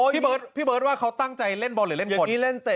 พี่เบิร์ตว่าเขาตั้งใจเล่นบอลหรือเล่นคน